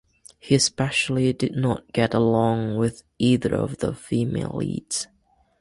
He especially did not get along with either of the female leads.